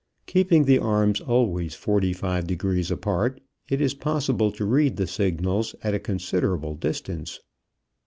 Keeping the arms always forty five degrees apart, it is possible to read the signals at a considerable distance.